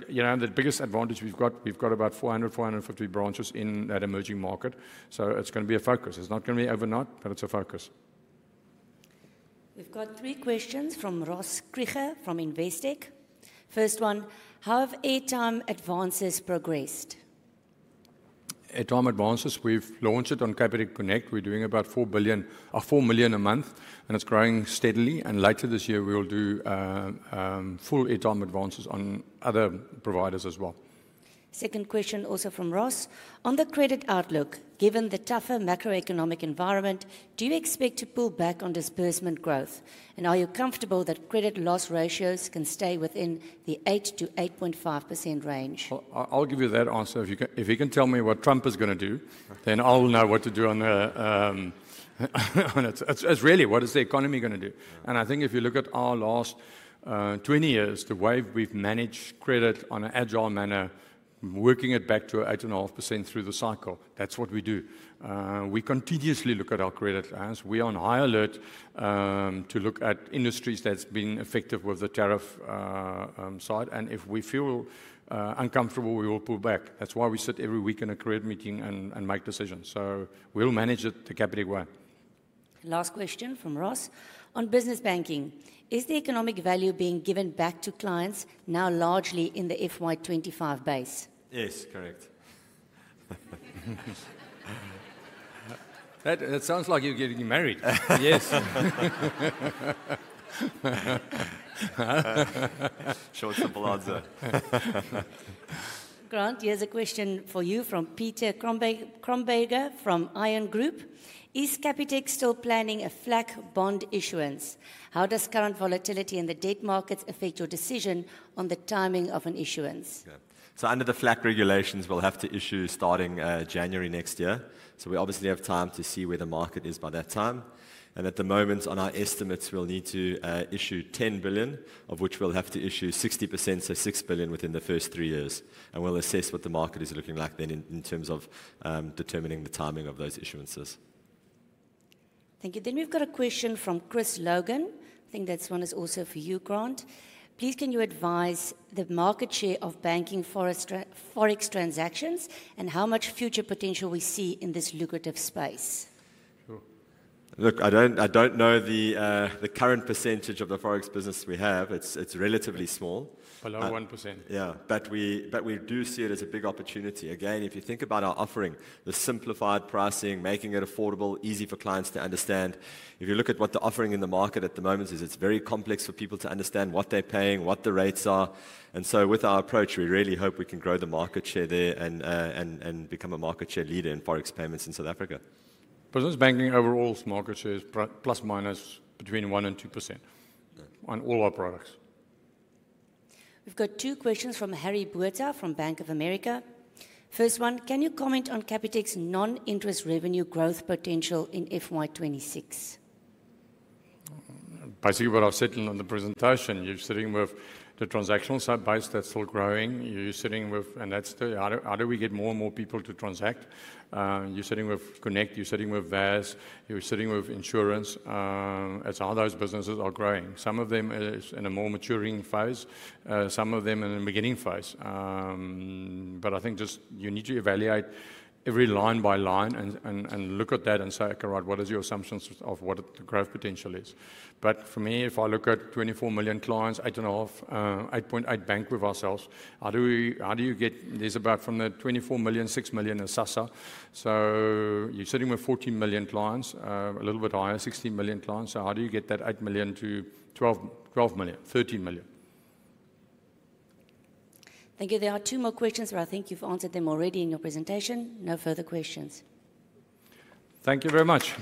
You know the biggest advantage we've got, we've got about 400-450 branches in that emerging market. It's going to be a focus. It's not going to be overnight, but it's a focus. We've got three questions from Ross Krige from Investec. First one, how have airtime advances progressed? Airtime advances, we've launched it on Capitec Connect. We're doing about 4 billion, 4 million a month and it's growing steadily. Later this year we'll do full airtime advances on other providers as well. Second question also from Ross on the credit outlook, given the tougher macroeconomic environment, do you expect to pull back on disbursement growth and are you comfortable that credit loss ratios can stay within the 8-8.5% range? I'll give you that answer. If you can tell me what Trump is going to do, then I'll know what to do. It is really what is the economy going to do? I think if you look at our last 20 years, the way we've managed credit in an agile manner, working it back to 8.5% through the cycle, that's what we do. We continuously look at our credit as we are on high alert to look at industries that have been affected with the tariff side and if we feel uncomfortable, we will pull back. That is why we sit every week in a credit meeting and make decisions. We will manage it the Capitec way. Last question from Ross on business banking, is the economic value being given back to clients now largely in the FY 2025 base? Yes. Correct. It sounds like you're getting married. Yes. Short, simple answer. Grant, here's a question for you from Peter [Kronberger] from [Ion] Group. Is Capitec still planning a FLAC bond issuance? How does current volatility in the debt markets affect your decision on the timing of an issuance? Under the FLAC regulations, we'll have to issue starting January next year. We obviously have time to see where the market is by that time. At the moment on our estimates, we'll need to issue 10 billion of which we'll have to issue 60%, so 6 billion within the first three years. We'll assess what the market is looking like then in terms of determining the timing of those issuances. Thank you. We have a question from Chris Logan. I think that one is also for you, Grant. Please can you advise the market share of banking for forex transactions and how much future potential we see in this lucrative space? Look, I don't know the current percentage of the forex business we have, it's relatively small, below 1%. Yeah, we do see it as a big opportunity. Again, if you think about our offering, the simplified pricing making it affordable, easy for clients to understand. If you look at what the offering in the market at the moment is, it's very complex for people to understand what they're paying, what the rates are. With our approach, we really hope we can grow the market share there and become a market share leader in forex payments in South Africa. Business banking, overall market shares plus minus between 1% and 2% on all our products. We've got two questions from Harry Botha from Bank of America Corporation. First one, can you comment on Capitec's non-interest revenue growth potential in FY 2026? Basically what I've said in the presentation, you're sitting with the transactional sub base that's still growing. You're sitting with, and that's how do we get more and more people to transact? You're sitting with Connect, you're sitting with VA S, you're sitting with insurance. It's how those businesses are growing. Some of them is in a more maturing phase, some of them in the beginning phase. I think just you need to evaluate every line by line and look at that and say, okay, what is your assumptions of what the growth potential is? For me, if I look at 24 million clients, 8.5, 8.8 bank with ourselves. How do you get, there's about, from the 24 million, 6 million in SASSA. You're sitting with 14 million clients. A little bit higher, 16 million clients. How do you get that 8 million to 12 million, 13 million. Thank you. There are two more questions, but I think you've answered them already in your presentation. No further questions. Thank you very much.